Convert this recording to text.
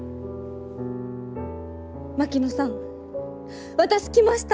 槙野さん私来ました！